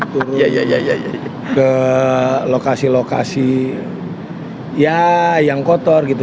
turun ke lokasi lokasi ya yang kotor gitu